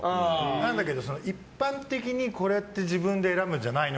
なんだけど一般的にこれって自分で選ぶんじゃないの？